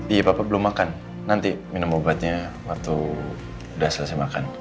iya papa belum makan nanti minum obatnya waktu udah selesai makan